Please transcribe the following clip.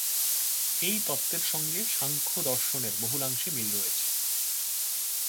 এই তত্ত্বের সঙ্গে সাংখ্য দর্শনের বহুলাংশে মিল রয়েছে।